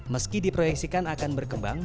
meski diproyeksikan akan berkembang